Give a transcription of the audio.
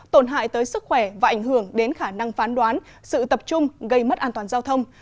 tổn hại tới sức khỏe và ảnh hưởng đến khả năng phán đoán sự tập trung gây mất an toàn giao thông